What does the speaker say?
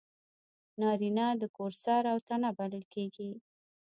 نارینه د کور سر او تنه بلل کېږي.